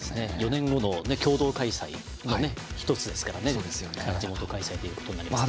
４年後の共同開催の一つですからね地元開催ということになります。